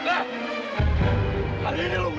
gak usah pake uang